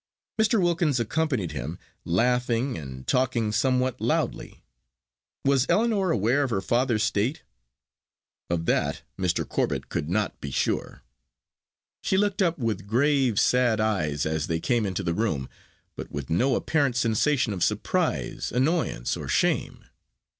Mr. Wilkins accompanied him, laughing and talking somewhat loudly. Was Ellinor aware of her father's state? Of that Mr. Corbet could not be sure. She looked up with grave sad eyes as they came into the room, but with no apparent sensation of surprise, annoyance, or shame.